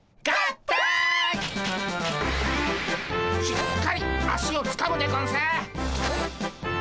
しっかり足をつかむでゴンス。